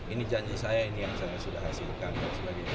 ini janji saya ini yang saya sudah hasilkan